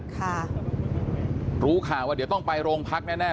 ค่ะรู้ข่าวว่าเดี๋ยวต้องไปโรงพักแน่แน่